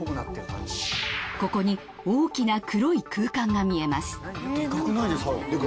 ここに大きな黒い空間が見えます